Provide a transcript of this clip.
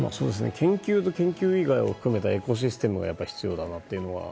研究と研究以外を含めたエコシステムが必要だなと。